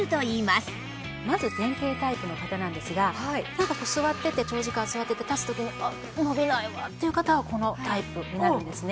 まず前傾タイプの方なんですがなんかこう座ってて長時間座ってて立つ時に「あっ伸びないわ」っていう方はこのタイプになるんですね。